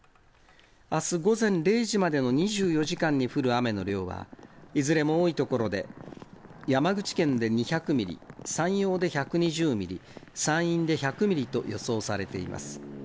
あす午前０時までの２４時間に降る雨の量は、いずれも多い所で、山口県で２００ミリ、山陽で１２０ミリ、山陰で１００ミリと予想されています。